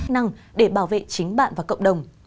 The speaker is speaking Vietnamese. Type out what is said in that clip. năng để bảo vệ chính bạn và cộng đồng